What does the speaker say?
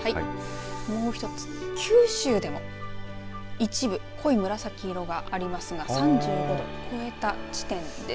もう１つ九州でも一部濃い紫色がありますが３５度を超えた地点なんです。